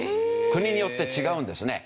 国によって違うんですね。